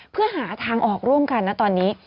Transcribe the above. เพื่อหาทางออกร่วมกันนะตอนนี้